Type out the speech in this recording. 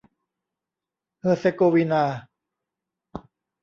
เฮอร์เซโกวีนา